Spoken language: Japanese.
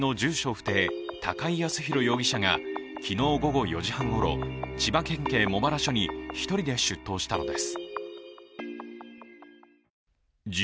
不定、高井靖弘容疑者が昨日午後４時半ごろ、千葉県警茂原署に１人で出頭したのです。